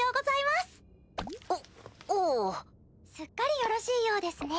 すっかりよろしいようですね。